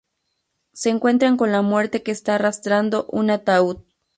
Se encuentran con la muerte que está arrastrando un ataúd.